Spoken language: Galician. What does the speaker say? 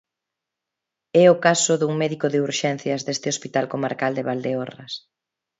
É o caso dun médico de urxencias deste hospital comarcal de Valdeorras.